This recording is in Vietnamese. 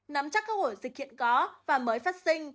nắm chắc các ổ dịch hiện có và mới phát sinh